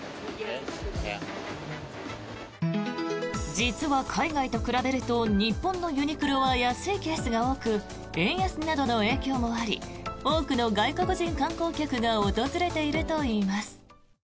実は、海外と比べると日本のユニクロは安いケースが多く円安などの影響もあり多くの外国人観光客が訪れているといいます。